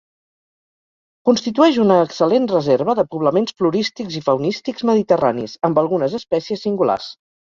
Constitueix una excel·lent reserva de poblaments florístics i faunístics mediterranis, amb algunes espècies singulars.